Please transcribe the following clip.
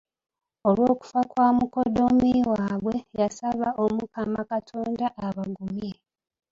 Olwokufa kwa mukoddomi waabwe, yasaba Omukama Katonda abagumye.